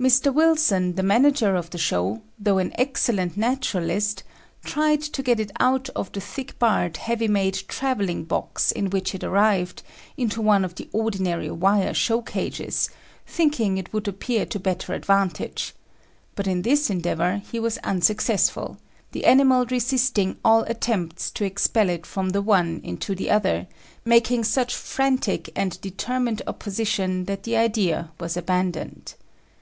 Mr. Wilson, the manager of the show, though an excellent naturalist, tried to get it out of the thick barred, heavy made travelling box in which it arrived, into one of the ordinary wire show cages, thinking it would appear to better advantage; but in this endeavour he was unsuccessful, the animal resisting all attempts to expel it from the one into the other, making such frantic and determined opposition that the idea was abandoned.